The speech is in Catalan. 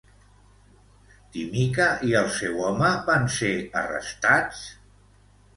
Timica i el seu home van ser arrestats?